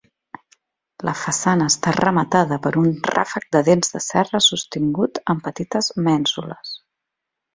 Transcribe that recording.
La façana està rematada per un ràfec de dents de serra sostingut amb petites mènsules.